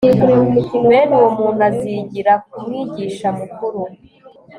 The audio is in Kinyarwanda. bene uwo muntu azigira ku mwigisha mukuru